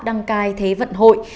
đăng cai thế vận hội